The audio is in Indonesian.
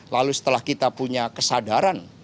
lalu setelah kita punya kesadaran